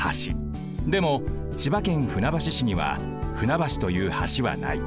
でも千葉県船橋市には船橋という橋はない。